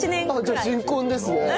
じゃあ新婚ですね。